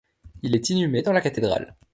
Il est inhumé dans la cathédrale.